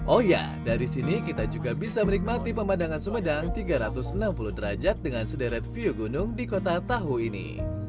oh ya dari sini kita juga bisa menikmati pemandangan sumedang tiga ratus enam puluh derajat dengan sederet view gunung di kota tahu ini